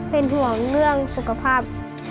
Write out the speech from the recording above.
เป็นห่วงเรื่องสุขภาพ